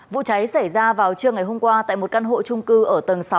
vụ cháy xảy ra vào trưa ngày hôm qua tại một căn hộ trung cư ở tầng sáu